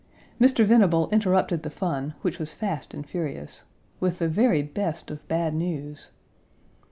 Mr. Venable interrupted the fun, which was fast and furious, with the very best of bad news!